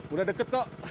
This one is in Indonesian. udah deket kok